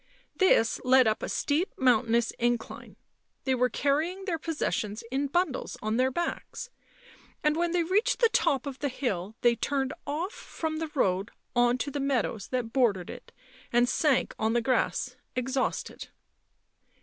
This led up a steep, mountainous incline ; they were carrying their possessions in bundles on their backs, and when they reached the top of the hill they turned off from the road on to the meadows that bordered it, and sank on the grass exhausted.